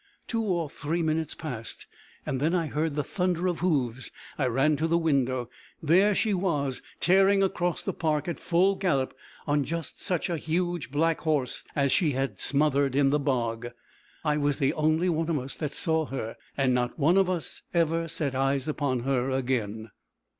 Two or three minutes passed, and then I heard the thunder of hoofs. I ran to the window. There she was, tearing across the park at full gallop, on just such a huge black horse as she had smothered in the bog! I was the only one of us that saw her, and not one of us ever set eyes upon her again.